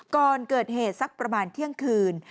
ก่อนเกิดเหตุสักประมาณเที่ยงคืน